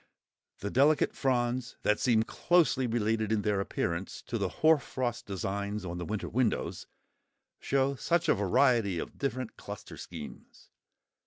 The delicate fronds, that seem closely related in their appearance to the hoarfrost designs on the winter windows, show such a variety of different cluster schemes.